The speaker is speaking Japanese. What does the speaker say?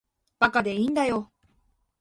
馬鹿でいいんだよ。